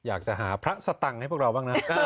อาจจะหาพระสต่างให้พวกเรา